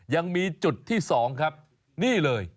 ยังมีจุดที่๒ครับนี่เลย